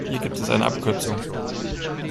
Hier gibt es eine Abkürzung.